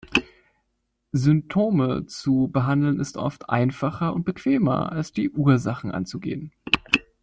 Symptome zu behandeln ist oft einfacher und bequemer, als die Ursachen anzugehen.